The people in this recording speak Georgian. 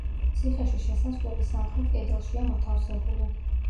ციხეში შესასვლელი სამხრეთ კედელშია მოთავსებული.